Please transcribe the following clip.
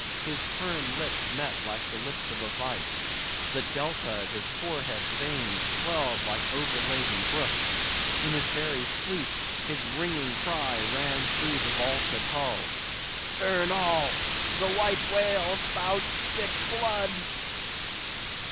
His firm lips met like the lips of a vice; the Delta of his forehead's veins swelled like overladen brooks; in his very sleep, his ringing cry ran through the vaulted hull, "Stern all! the White Whale spouts thick blood!"